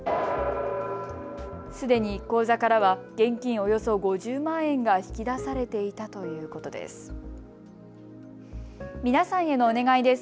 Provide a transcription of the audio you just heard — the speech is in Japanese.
すでに口座からは現金およそ５０万円が引き出されていたということです。